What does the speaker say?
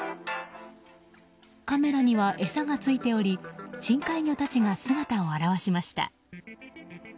カメラには餌がついており深海魚たちが姿を現しました。